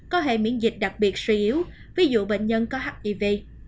có hệ miễn dịch đặc biệt suy yếu ví dụ bệnh nhân có hiv